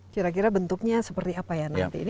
kira kira bentuknya seperti apa ya nanti ini